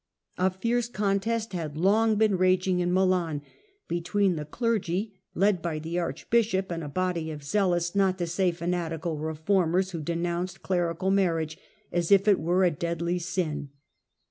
A fierce contest had long been raging in Milan between the clergy led by the archbishop, and a body of zealous, not to say fanatical, reformers who denounced clerical marriage as if it were a deadly sin.